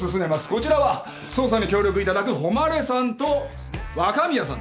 こちらは捜査に協力いただく誉さんと若宮さんです。